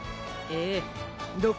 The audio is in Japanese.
えっ？